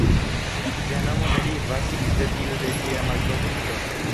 Ĝia nomo derivas de tiu de ĝia malkovrinto.